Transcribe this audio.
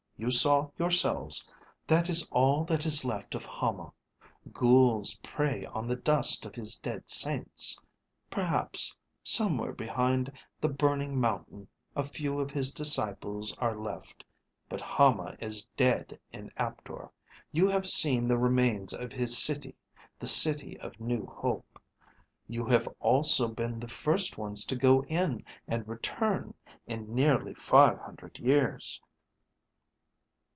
"You saw yourselves. That is all that is left of Hama. Ghouls prey on the dust of his dead saints. Perhaps, somewhere behind the burning mountain a few of his disciples are left. But Hama is dead in Aptor. You have seen the remains of his city, the City of New Hope. You have also been the first ones to go in and return in nearly five hundred years."